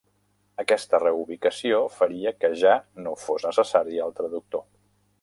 Aquesta reubicació faria que ja no fos necessari el traductor.